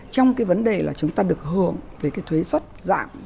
trong cái vấn đề là chúng ta được hưởng về cái thuế xuất dạng